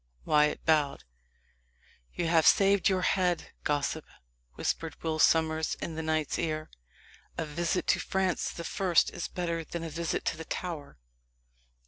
Wyat bowed. "You have saved your head, gossip," whispered Will Sommers in the knight's ear. "A visit to Francis the First is better than a visit to the Tower."